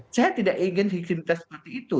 saya tidak ingin higienitas seperti itu